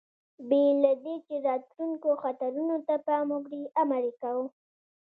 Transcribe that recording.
بې له دې، چې راتلونکو خطرونو ته پام وکړي، امر یې کاوه.